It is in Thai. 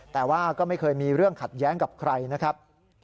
แต่ว่าก็ไม่เคยมีเรื่องขัดแย้งกับใครนะครับ